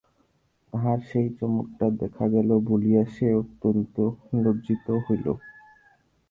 তাহার সেই চমকটা দেখা গেল বলিয়া সে অত্যন্ত লজ্জিত হইল।